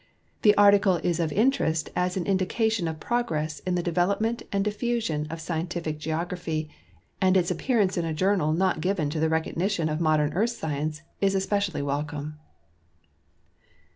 The article is of interest as an indication of progress in the development and diffusion of scientific geography, and its appearance in a journal not given to the recognition of modern earth science is especially welcome.